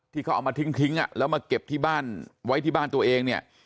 ที่เขาเอามาทิ้งแล้วมาเก็บที่บ้านไว้ที่บ้านตัวเองเนี่ย